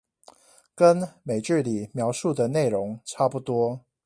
跟美劇裡描述的內容差不多